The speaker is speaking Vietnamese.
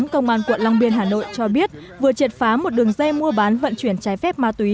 công an quận long biên hà nội cho biết vừa triệt phá một đường dây mua bán vận chuyển trái phép ma túy